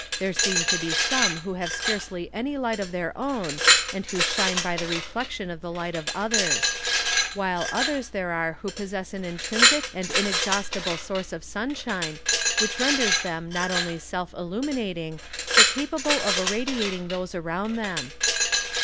There seem to be some who have scarcely any light of their own, and who shine by the reflection of the light of others; while others there are who possess an intrinsic and inexhaustible source of sunshine, which renders them not only self illuminating, but capable of irradiating those around them.